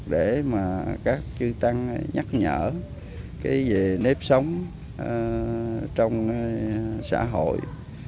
để mà các chư tăng nhắc nhở về nếp sống trong xã hội